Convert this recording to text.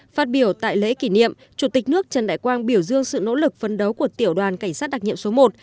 phát biểu tại lễ kỷ niệm chủ tịch nước trần đại quang biểu dương sự nỗ lực phấn đấu của tiểu đoàn cảnh sát đặc nhiệm số một